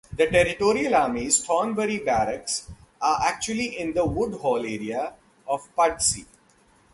The Territorial Army's Thornbury Barracks are actually in the Woodhall area of Pudsey.